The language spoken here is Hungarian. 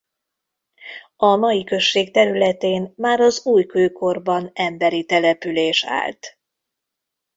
A mai község területén már az újkőkorban emberi település állt.